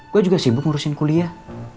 gue juga sibuk ngurusin kuliah